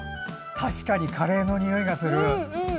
確かにカレーのにおいがする。